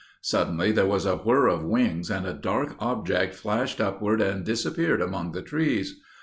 Suddenly there was a whir of wings and a dark object flashed upward and disappeared among the trees.